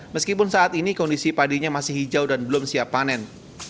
meskipun saat ini kondisi padinya masih hijau dan belum siap panen